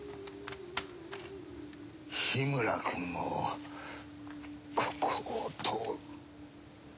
緋村君もここを通る。